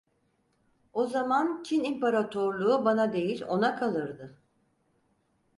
O zaman Çin İmparatorluğu bana değil, ona kalırdı…